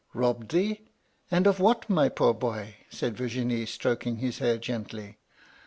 "' Bobbed thee 1 and of what, my poor boy T said Virginie, stroking his hair gently.